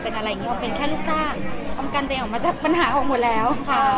เป็นอะไรอย่างเงี้ยอ่อมเพียงไงรู้สัตว์